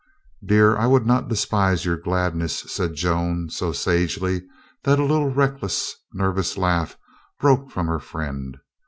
"Dear, I would not despise your gladness," said Joan so sagely that a little reckless, nervous laugh broke from her friend.